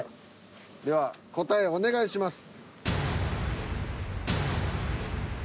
では答えお願いします。